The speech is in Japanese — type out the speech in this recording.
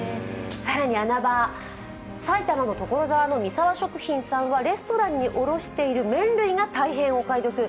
更に穴場、埼玉の所沢の見澤食品さんはレストランに卸している麺類が大変お買い得。